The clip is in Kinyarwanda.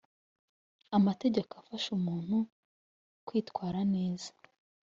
amategeko afasha umuntu kwitwara neza